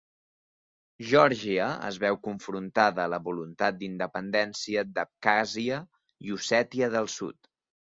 Geòrgia es veu confrontada a la voluntat d'independència d'Abkhàzia i Ossètia del Sud.